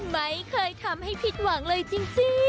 ไม่เคยทำให้ผิดหวังเลยจริง